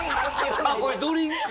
あっこれドリンク？